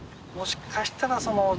もしかしたらその。